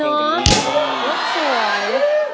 รูปสวย